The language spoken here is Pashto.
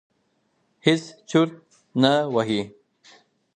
هېڅ چرت نه وهي.